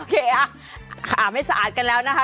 โอเคอะอาบให้สะอาดกันแล้วนะคะ